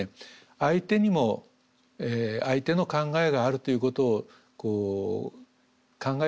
相手にも相手の考えがあるということをこう考えてあげればですね